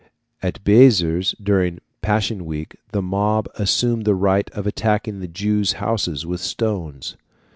At Béziers, during Passion week, the mob assumed the right of attacking the Jews' houses with stones.